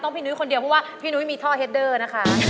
พี่นุ้ยคนเดียวเพราะว่าพี่นุ้ยมีท่อเฮดเดอร์นะคะ